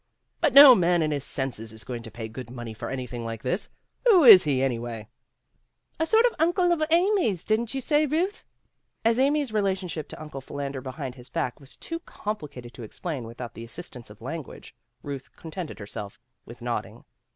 "But no man in his senses is going to pay good money for anything like this. Who is he, anyway ?'' "A sort of Uncle of Amy's, didn't you say, Ruth?" 122 PEGGY RAYMOND'S WAY As Amy's relationship to Uncle Philander Behind His Back was too complicated to explain without the assistance of language, Euth con tented herself with nodding.